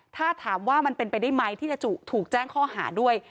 ถ้าถามว่ามันเป็นไปได้ไหมที่จะถูกแจ้งข้อหาด้วย